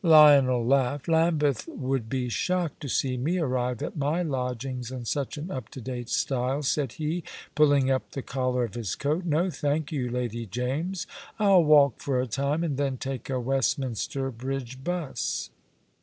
Lionel laughed. "Lambeth would be shocked to see me arrive at my lodgings in such an up to date style," said he, pulling up the collar of his coat. "No, thank you, Lady James. I'll walk for a time, and then take a Westminster Bridge 'bus."